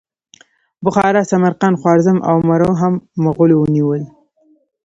بخارا، سمرقند، خوارزم او مرو هم مغولو ونیول.